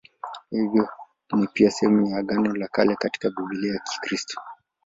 Hivyo ni pia sehemu ya Agano la Kale katika Biblia ya Kikristo.